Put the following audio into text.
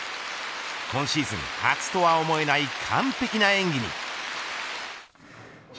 今シーズン初とは思えない完璧な演技に。